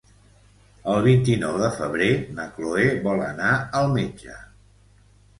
El vint-i-nou de febrer na Chloé vol anar al metge.